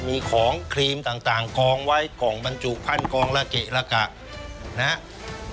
มีของครีมต่างต่างกองไว้กองบรรจุพันธุ์กองละเกะละกะนะฮะ